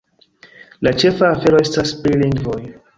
La ĉefa afero estas pri lingvoj.